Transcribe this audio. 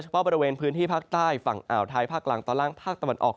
เพราะบริเวณพื้นที่ภาคใต้ฝั่งอ่าวไทยภาคกลางตอนล่างภาคตะวันออก